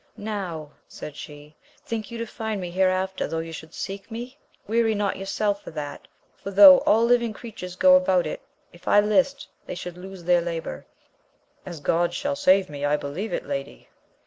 Now, said she, think you to find me hereafter though you should seek me ? weary not yourself for that, for though all living creatures go about it, if I Hst, they should lose their labour. As God shall save me, I believe it, lady